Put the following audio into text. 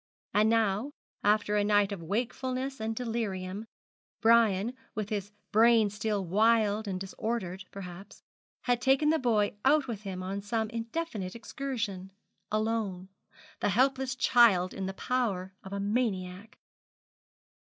And now, after a night of wakefulness and delirium, Brian, with his brain still wild and disordered, perhaps, had taken the boy out with him on some indefinite excursion alone the helpless child in the power of a maniac!